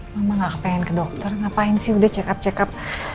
mama gak pengen ke dokter ngapain sih udah check up check up